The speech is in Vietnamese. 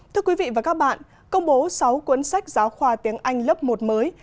thưa quý vị và các bạn công bố sáu cuốn sách giáo khoa tiếng anh lớp một mới